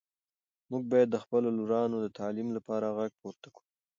موږ باید د خپلو لورانو د تعلیم لپاره غږ پورته کړو.